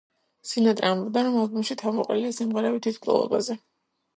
სინატრა ამბობდა, რომ ალბომში თავმოყრილია სიმღერები თვითმკვლელობაზე.